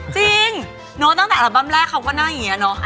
จริงเนอะตั้งแต่อัลบั้มแรกเขาก็นั่งอย่างนี้เนอะ